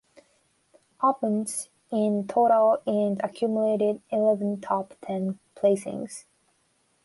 Opens in total and accumulated eleven top ten placings.